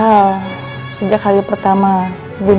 yaudah kita masuk